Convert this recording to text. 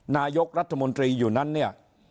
นายกรัฐมนตรีอยู่นั้นเนี่ย